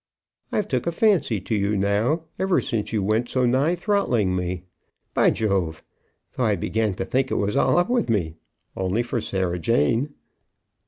I've took a fancy to you now, ever since you went so nigh throttling me. By Jove! though, I began to think it was all up with me, only for Sarah Jane."